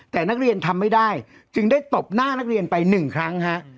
แต่นักเรียนทำไม่ได้จึงได้ตบหน้านักเรียนไปหนึ่งครั้งฮะ